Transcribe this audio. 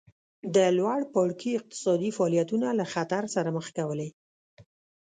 د لوړ پاړکي اقتصادي فعالیتونه له خطر سره مخ کولې